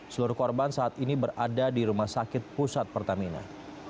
seluruh korban saat ini berada di rumah sakit pusat pertamina